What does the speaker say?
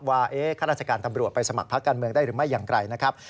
ข้าราชการตำรวจไปสมัครพักการเมืองได้หรือไม่อย่างไรนะครับ